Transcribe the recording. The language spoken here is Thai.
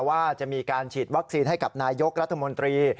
ว่าจะมีการฉีดวัคซีนให้กับนายกรัฐมนตรี